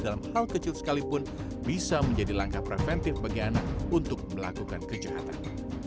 dalam hal kecil sekalipun bisa menjadi langkah preventif bagi anak untuk melakukan kejahatan